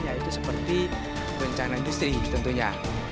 yaitu seperti rencana industri tentunya